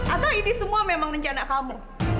atau ini semua memang rencana kamu